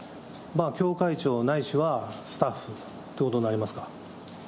教会長、ないしはスタッフということになりますか。